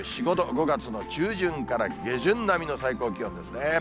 ５月の中旬から下旬並みの最高気温ですね。